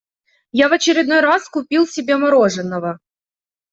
Я в очередной раз купил себе мороженного.